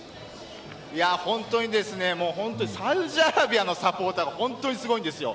本当にサウジアラビアのサポーターが本当にすごいんですよ。